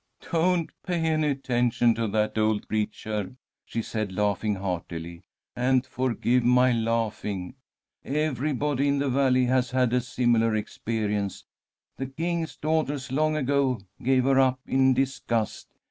"Don't pay any attention to that old creature," she said, laughing heartily, "and forgive my laughing. Everybody in the Valley has had a similar experience. The King's Daughters long ago gave her up in disgust.